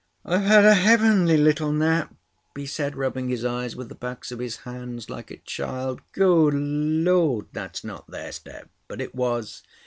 "I've had a heavenly little nap," he said, rubbing his eyes with the backs of his hands like a child. "Good Lord! That's not their step!" But it was.